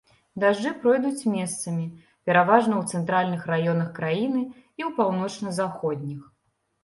Дажджы пройдуць месцамі, пераважна ў цэнтральных раёнах краіны і ў паўночна-заходніх.